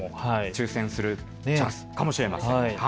抽せんするチャンスかもしれません。